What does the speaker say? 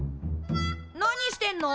何してんの？